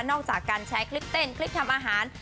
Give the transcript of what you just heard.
จากการแชร์คลิปเต้นคลิปทำอาหาร